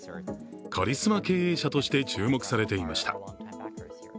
カリスマ経営者として注目されていました。